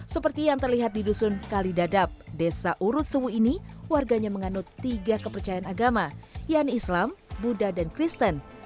seperti yang terlihat di dusun kalidadap desa urut suwu ini warganya menganut tiga kepercayaan agama yang islam buddha dan kristen